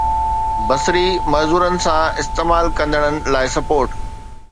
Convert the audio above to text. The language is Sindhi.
بصري معذورن سان استعمال ڪندڙن لاءِ سپورٽ